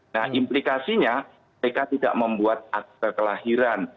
nah implikasinya mereka tidak membuat akte kelahiran